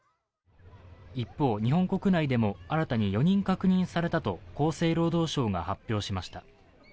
一方、日本国内でも新たに４人確認されたと厚生労働省が発表しました。